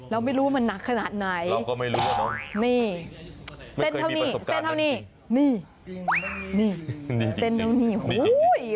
เราไม่รู้ว่ามันนักขนาดไหนนี่เส้นเท่านี้นี่